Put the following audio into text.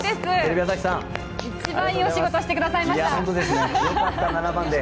一番いいお仕事をしてくださいました！